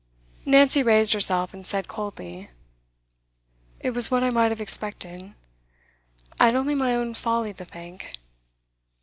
Nancy raised herself, and said coldly: 'It was what I might have expected. I had only my own folly to thank.